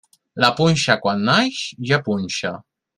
La punxa, quan naix, ja punxa.